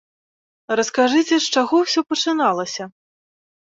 Раскажыце, з чаго ўсё пачыналася?